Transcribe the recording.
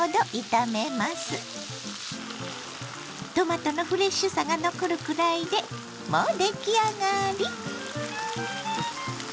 トマトのフレッシュさが残るくらいでもう出来上がり！